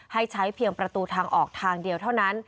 ให้ใช้เพียงประตูทางออกทางเดียวเท่านั้น